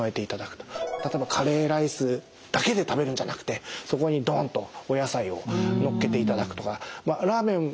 例えばカレーライスだけで食べるんじゃなくてそこにドンとお野菜をのっけていただくとかラーメン